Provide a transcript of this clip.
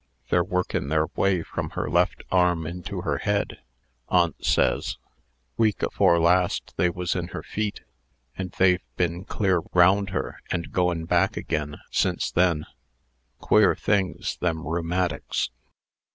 They're workin' their way from her left arm into her head, aunt says. Week afore last they was in her feet, and they've ben clear round her and goin' back agen since then. Queer things, them rheumatics!"